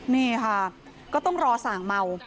นี่ค่ะก็ต้องรอสั่งเมา